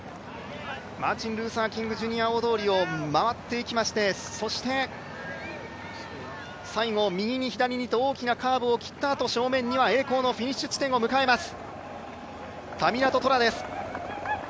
マーティン・ルーサー・キング・ジュニア大通りを回っていきまして、そして最後右に左にと大きなカーブを切ったあと、最後は栄光のフィニッシュ地点を迎えます。